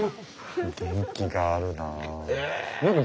元気があるな。